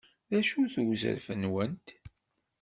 D acu-t uzraf-nwent?